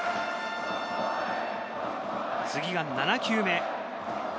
次が７球目。